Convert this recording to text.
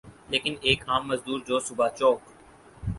لیکن ایک عام مزدور جو صبح چوک